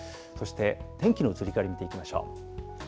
そして、天気の移り変わり、見ていきましょう。